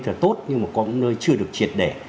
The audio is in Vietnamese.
thật tốt nhưng mà có những nơi chưa được triệt đẻ